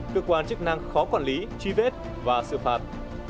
cơ quan chức năng khó quản lý truy vết và xử phạt